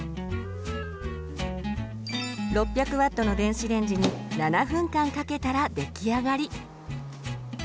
６００Ｗの電子レンジに７分間かけたら出来上がり。